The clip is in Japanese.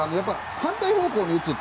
反対方向に打つ。